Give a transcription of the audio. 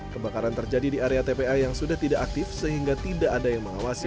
kebakaran terjadi di area tpa yang sudah tidak aktif sehingga tidak ada yang mengawasi